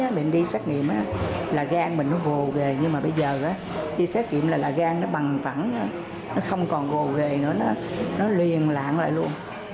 chín mươi luôn hồi mới mình đi xét nghiệm là gan mình nó gồ ghề nhưng mà bây giờ đi xét nghiệm là gan nó bằng phẳng nó không còn gồ ghề nữa nó liền lạng lại luôn